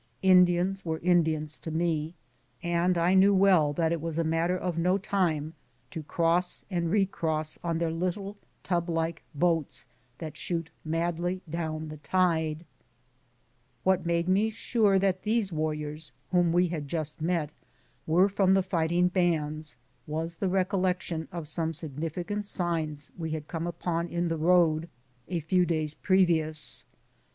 Indians were Indians to me, and I knew well that it was a matter of no time to cross and recross on ADVENTURES— THE LAST DAYS OF THE MARCH. 75 their little tub like boats that shoot madly down the tide. What made me sure that these warriors whom we had just met were from the fighting bands was the recollec tion of some significant signs we had come upon in the road a few daj's previous.